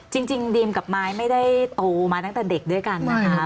ดีมกับไม้ไม่ได้โตมาตั้งแต่เด็กด้วยกันนะคะ